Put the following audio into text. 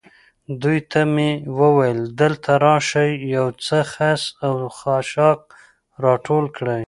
دوی ته مې وویل: دلته راشئ، یو څه خس او خاشاک را ټول کړئ.